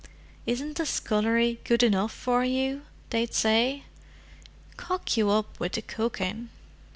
'Isn't the scullery good enough for you?' they'd say. 'Cock you up with the cooking!